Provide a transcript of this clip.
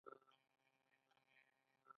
آیا په پوره ایمانداري سره نه دی؟